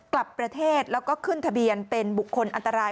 กลับประเทศแล้วก็ขึ้นทะเบียนเป็นบุคคลอันตราย